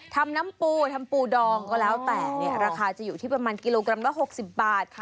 ทำน้ำปูทำปูดองก็แล้วแต่ราคาจะอยู่ที่ประมาณกิโลกรัมละ๖๐บาท